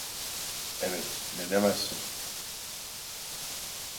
Evet, ne demezsin.